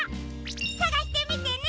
さがしてみてね！